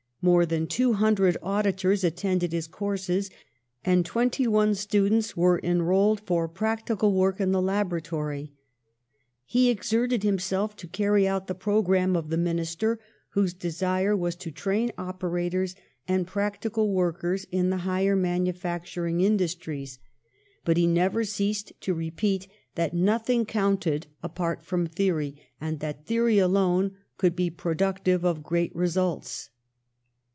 More than two hundred auditors attended his courses, and twenty one students were enrolled for practi cal work in the laboratory. He exerted himself to carry out the programme of the Minister, whose desire was to train operators and practi cal workers in the higher manufacturing indus ON THE ROAD TO FAME 47 tries, but he never ceased to repeat that nothmg counted apart from theory, and that theory alone could be productive of great results.